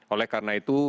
oleh karena itu